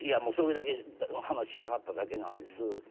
「もうそれだけ話したかっただけなんです」